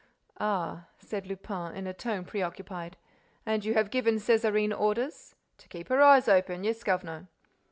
"Ah!" said Lupin, in a tone preoccupied. "And you have given Césarine orders—" "To keep her eyes open. Yes, governor."